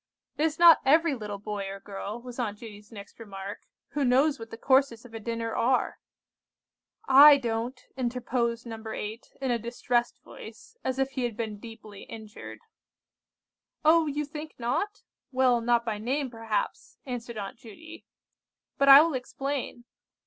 "It is not every little boy or girl," was Aunt Judy's next remark, "who knows what the courses of a dinner are." "I don't," interposed No. 8, in a distressed voice, as if he had been deeply injured. "Oh, you think not? Well, not by name, perhaps," answered Aunt Judy. "But I will explain.